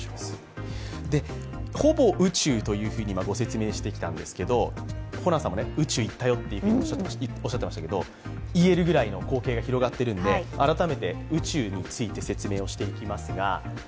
ほぼ宇宙とご説明してきたんですけど、ホランさんも宇宙行ったよとおっしゃっていましたけど、言えるぐらいの光景が広がっているので、改めて宇宙について説明をしていきます。